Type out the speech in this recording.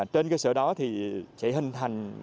trên cơ sở đó thì sẽ hình thành